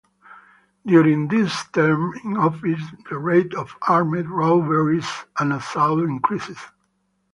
During his term in office the rate of armed robberies and assault increased.